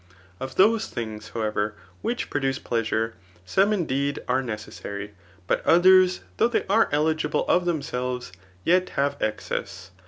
Of those things, however, vrhich piroduce pleasure, some indeed are ne* cessary ; but others, though they are eligible of them* selves, yet have excess.